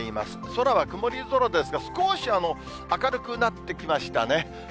空は曇り空ですが、少し明るくなってきましたね。